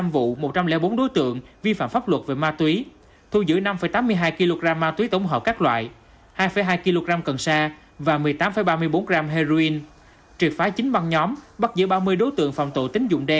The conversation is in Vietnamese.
hai vụ vi phạm pháp luật về kinh tế buôn lậu môi trường